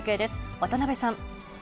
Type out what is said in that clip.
渡邊さん。